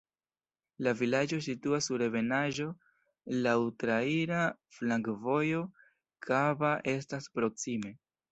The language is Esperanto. La vilaĝo situas sur ebenaĵo, laŭ traira flankovojo, Kaba estas proksime.